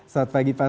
selamat pagi pak